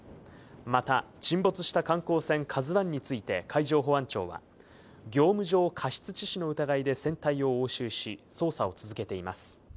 また、沈没した観光船、ＫＡＺＵＩについて海上保安庁は、業務上過失致死の疑いで船体を押収し、捜査を続けています。